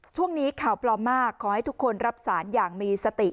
ช่วงนี้ข่าวปลอมมากขอให้ทุกคนรับสารอย่างมีสติ